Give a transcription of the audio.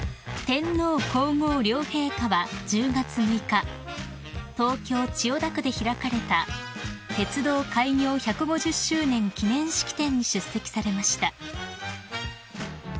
［天皇皇后両陛下は１０月６日東京千代田区で開かれた鉄道開業１５０周年記念式典に出席されました］